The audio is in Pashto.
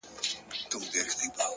راسه چي زړه مي په لاسو کي درکړم!